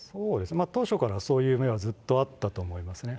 当初からそういうめはずっとあったと思いますね。